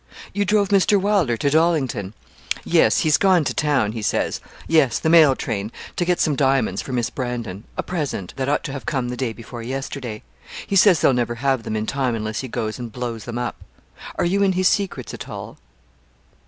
'You drove Mr. Wylder to Dollington?' 'Yes; he's gone to town, he says yes, the mail train to get some diamonds for Miss Brandon a present that ought to have come the day before yesterday. He says they'll never have them in time unless he goes and blows them up. Are you in his secrets at all?'